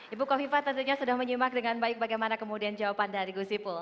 ibu kofifa tentunya sudah menyimak dengan baik bagaimana kemudian jawaban dari gus ipul